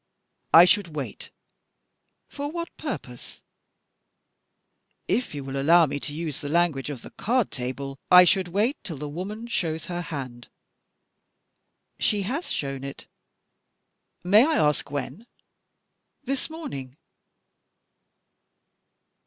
"I should wait." "For what purpose?" "If you will allow me to use the language of the card table, I should wait till the woman shows her hand." "She has shown it." "May I ask when?" "This morning."